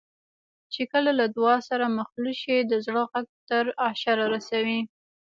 چې کله له دعا سره مخلوط شي د زړه غږ تر عرشه رسوي.